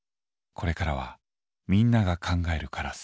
これからはみんなが考えるカラス。